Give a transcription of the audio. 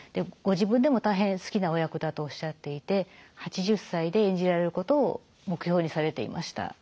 ご自分でも大変好きなお役だとおっしゃっていて８０歳で演じられることを目標にされていました。